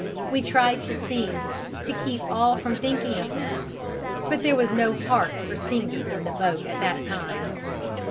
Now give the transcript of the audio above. We tried to sing to keep all from thinking of them; but there was no heart for singing in the boat at that time.